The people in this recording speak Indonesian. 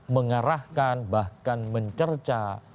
mengarahkan bahkan mencerca